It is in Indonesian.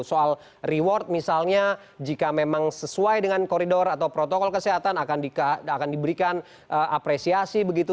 soal reward misalnya jika memang sesuai dengan koridor atau protokol kesehatan akan diberikan apresiasi begitu